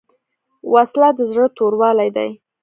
وسله د زړه توروالی دی